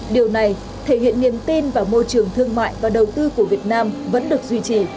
điều này thể hiện niềm tin vào môi trường thương mại và đầu tư của việt nam vẫn được duy trì